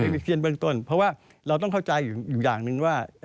นิเคียนเบื้องต้นเพราะว่าเราต้องเข้าใจอยู่อย่างหนึ่งว่า